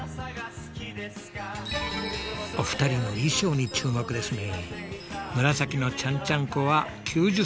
お二人の衣装に注目ですね。